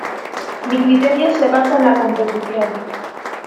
Mi criterio se basa en la composición.